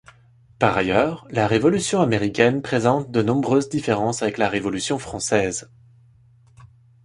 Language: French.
Par ailleurs, la Révolution américaine présente de nombreuses différences avec la Révolution française.